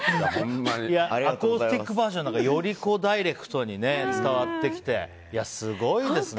アコースティックバージョンだからよりダイレクトに伝わってきて、すごいですね。